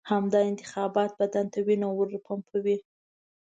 همدا انتخابات بدن ته وینه ورپمپوي.